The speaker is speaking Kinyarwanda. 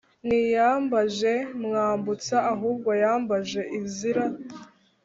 ntiyabanje mwambutsa ahubwo yabanje izira